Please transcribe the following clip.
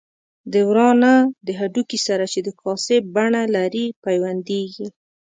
د ورانه د هډوکي سره چې د کاسې بڼه لري پیوندېږي.